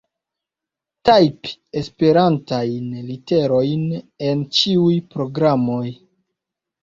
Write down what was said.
Tajpi Esperantajn literojn en ĉiuj programoj.